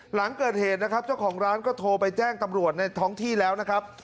หลังเกิดเหตุนะครับเจ้าของร้านก็โทรไปแจ้งตำรวจในท้องที่แล้วนะครับ